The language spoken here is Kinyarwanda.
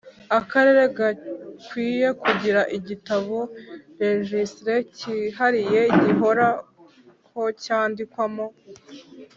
Akarere gakwiye kugira igitabo registre kihariye gihoraho cyandikwamo